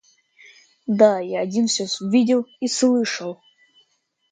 Да, я один всё видел и слышал.